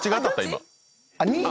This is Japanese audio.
今。